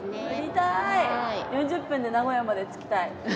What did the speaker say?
４０分で名古屋まで着きたい。